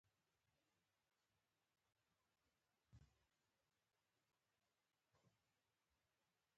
وختونه وشوه